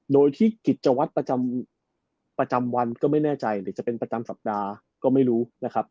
โดยที่กิจวัตรประจำวันก็ไม่แน่ใจหรือจะเป็นประจำสัปดาห์ก็ไม่รู้นะครับ